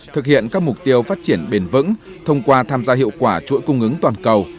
thực hiện các mục tiêu phát triển bền vững thông qua tham gia hiệu quả chuỗi cung ứng toàn cầu